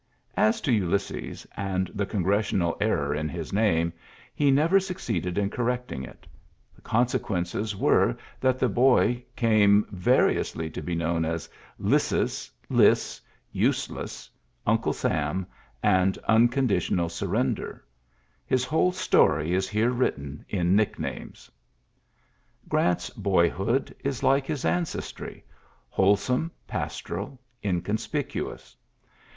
As to TJlysses and the ^TOf^ngressional error in his name, he never _ ^^iceeded in correcting it. The conse ^ViGnces were that the boy came vari , ^|.*^y to be known as Lyssus, Lys, Use . i^ Uncle Sam, and Unconditional Sur ^< *^der. His whole story is here written ^ if la nicknames. Grant's boyhood is like his ancestry, wholesome, pastoral, inconspicuous.